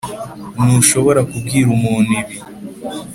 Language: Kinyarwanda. ntushobora kubwira umuntu, ibi?